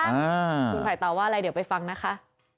คุณไผ่ตอบว่าอะไรเดี๋ยวไปฟังนะคะ